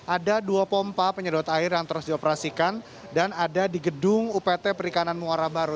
ada dua pompa penyedot air yang terus dioperasikan dan ada di gedung upt perikanan muara baru